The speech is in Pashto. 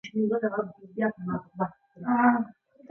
ازادي راډیو د سوله په اړه د خلکو پوهاوی زیات کړی.